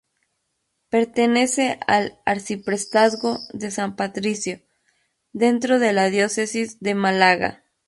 Pertenece al Arciprestazgo de San Patricio, dentro de la Diócesis de Málaga.